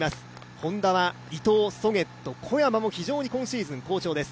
Ｈｏｎｄａは伊藤、ソゲット、小山も非常に今シーズン、好調です。